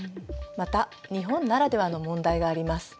また日本ならではの問題があります。